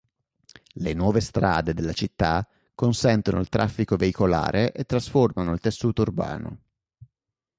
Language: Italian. Le nuove strade della città consentono il traffico veicolare e trasformano il tessuto urbano.